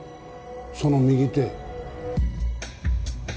その右手。